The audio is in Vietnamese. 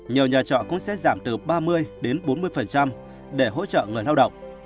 nhiều nhà trọ cũng sẽ giảm từ ba mươi đến bốn mươi để hỗ trợ người lao động